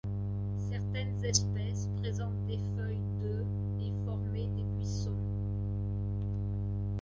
Certaines espèces présentent des feuilles de et former des buissons.